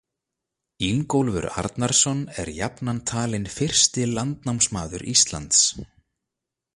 Ingólfur Arnarson er jafnan talinn fyrsti landnámsmaður Íslands.